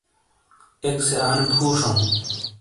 ایک سے آنے فُو شَوں۔